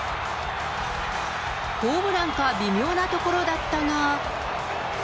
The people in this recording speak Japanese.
ホームランか微妙なところだったが。